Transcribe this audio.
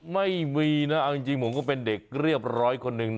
ไม่มีนะเอาจริงผมก็เป็นเด็กเรียบร้อยคนหนึ่ง